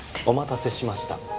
お待たせしました。